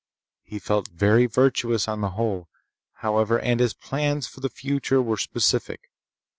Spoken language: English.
He felt very virtuous on the whole, however, and his plans for the future were specific.